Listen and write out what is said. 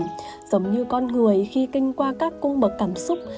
giống như con người khi kinh qua các cung bậc cảm xúc